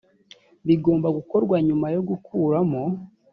bigomba gukorwa nyuma yo gukuramo